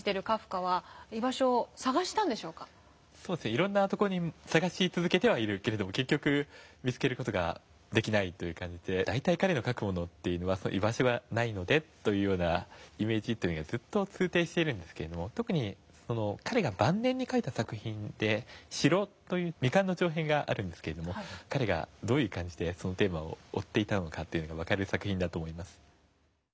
いろんな所に探し続けてはいるけれども結局見つける事ができないという感じで大体彼の書くものは「居場所がない」というイメージが通底しているんですが特に彼が晩年に書いた作品で「城」という未完の長編があるんですけれども彼がどういう感じでそのテーマを追っていたのかが分かる作品だと思います。